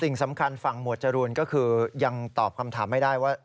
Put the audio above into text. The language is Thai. สิ่งสำคัญฝั่งหมวดจรูนก็คือยังตอบคำถามไม่ได้ว่า